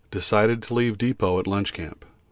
Decided to leave depot at lunch camp.